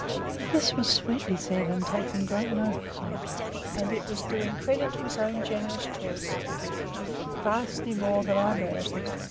This was sweetly said, and taken great notice of; and it was doing credit to his own generous choice, and vastly more than I merited.